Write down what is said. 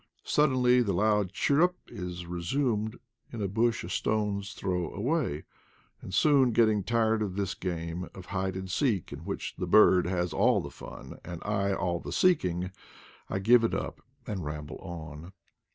Suddenly the loud chirrup is resumed in a bush a stone 's throw away; and soon, getting tired of this game of hide and seek, in which the bird has all the fun 128 IDLE DATS IN PATAGONIA and I all the seeking, I give it up and ramble on.